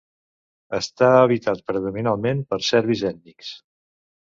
Està habitat predominantment per serbis ètnics.